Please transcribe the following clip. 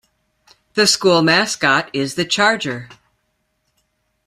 The school mascot is the Charger.